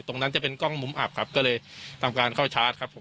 ตรงนั้นจะเป็นกล้องมุมอับครับก็เลยทำการเข้าชาร์จครับผม